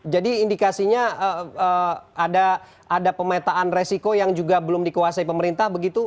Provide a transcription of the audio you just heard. jadi indikasinya ada pemetaan resiko yang juga belum dikuasai pemerintah begitu